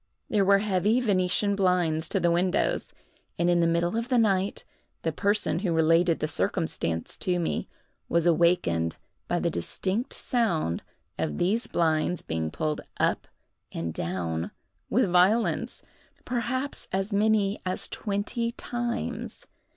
There were heavy Venetian blinds to the windows; and, in the middle of the night, the person who related the circumstance to me, was awakened by the distinct sound of these blinds being pulled up and down with violence, perhaps as many as twenty times.